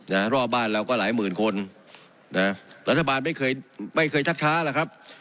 รอบบ้านเราก็หลายหมื่นคนนะรัฐบาลไม่เคยไม่เคยชักช้าแล้วครับ